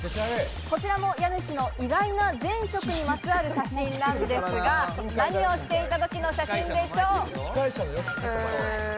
こちらの家主の意外な前職にまつわる写真なんですが、何をしていた時の写真でしょう？